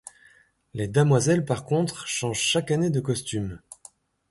Les Damoiselles par contre, changent chaque année de costume.